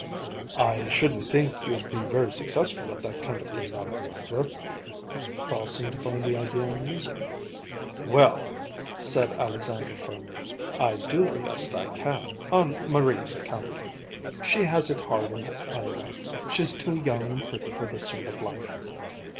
"I shouldn't think you'd be very successful at that kind of thing, Alexandra." Carl seemed to find the idea amusing. "Well," said Alexandra firmly, "I do the best I can, on Marie's account. She has it hard enough, anyway. She's too young and pretty for this sort of life.